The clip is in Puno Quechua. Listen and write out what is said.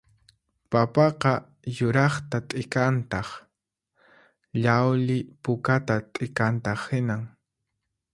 Papaqa yuraqta t'ikantaq llawli pukata t'ikantaq hinan